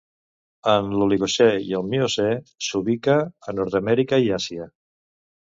En l'Oligocè i el Miocè s'ubica a Nord-Amèrica i Àsia.